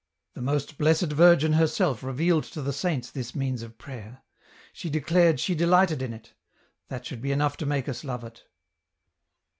The most Blessed Virgin herself revealed to the saints this means of prayer ; she declared she delighted in it ; that should be enough to make us love it.